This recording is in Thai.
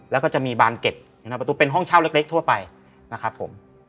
แล้วก็จะมีบานเก็ตอยู่ในประตูเป็นห้องเช่าเล็กทั่วไปนะครับผม